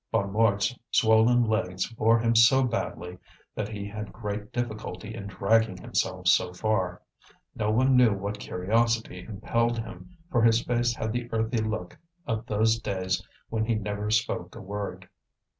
Bonnemort's swollen legs bore him so badly, that he had great difficulty in dragging himself so far; no one knew what curiosity impelled him, for his face had the earthy look of those days when he never spoke a word.